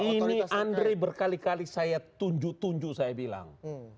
ini andre berkali kali saya tunju tunju saya bilang